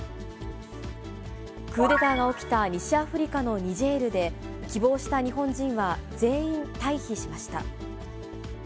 クーデターが起きた西アフリカのニジェールで、希望した日本人は全員退避しました。